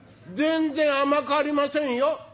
全然甘くありませんよ？」。